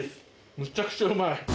むちゃくちゃうまい。